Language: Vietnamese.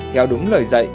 theo đúng lời dạy